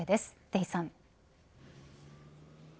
出井さん。